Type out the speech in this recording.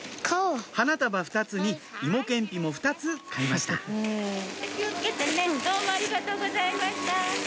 花束２つに芋けんぴも２つ買いました気を付けてねどうもありがとうございました。